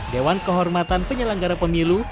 dewan kehormatan penyelenggara pemilu